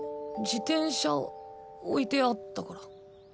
自転車置いてあったから。